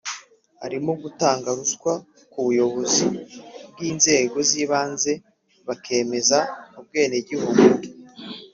arimo gutanga ruswa ku bayobozi b’inzego z’ibanze bakemeza ubwenegihugu bwe